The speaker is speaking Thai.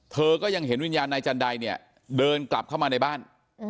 เธอก็ยังเห็นวิญญาณนายจันไดเนี่ยเดินกลับเข้ามาในบ้าน